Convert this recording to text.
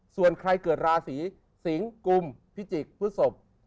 ส่วนใครเกิดราศีศิงศ์กุมศ์พิจิกษ์พุทธศพ